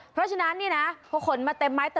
เพราะฉะนั้นนี่นะเขาขนมาเต็มไม้เต็มมือแบบนี้